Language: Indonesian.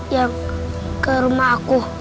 yang ke rumah aku